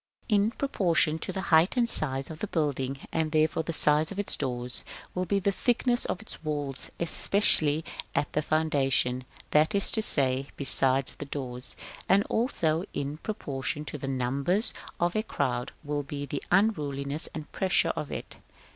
In proportion to the height and size of the building, and therefore to the size of its doors, will be the thickness of its walls, especially at the foundation, that is to say, beside the doors; and also in proportion to the numbers of a crowd will be the unruliness and pressure of it.